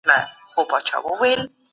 ناحقه معامله مه کوئ.